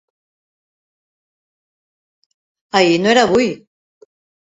Ahir no era avui!